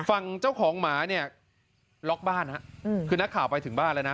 ฝั่งเจ้าของหมาเนี่ยล็อกบ้านฮะคือนักข่าวไปถึงบ้านแล้วนะ